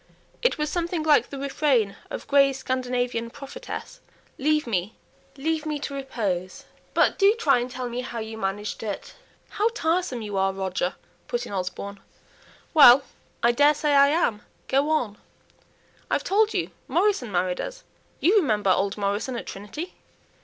It was something like the refrain of Gray's Scandinavian Prophetess: "Leave me, leave me to repose." "But do try and tell me how you managed it." "How tiresome you are, Roger!" put in Osborne. "Well, I daresay I am. Go on!" "I've told you Morrison married us. You remember old Morrison at Trinity?"